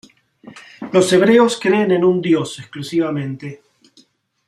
Los hebreos creen en un Dios exclusivamente.